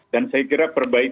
dan saya kira perbaikan